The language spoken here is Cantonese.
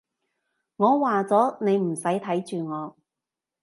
我話咗，你唔使睇住我